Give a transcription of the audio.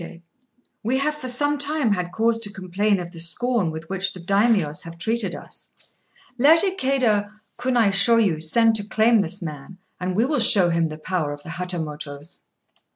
"We have for some time had cause to complain of the scorn with which the Daimios have treated us. Let Ikéda Kunaishôyu send to claim this man, and we will show him the power of the Hatamotos."